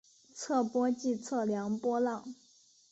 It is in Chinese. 测波即测量波浪。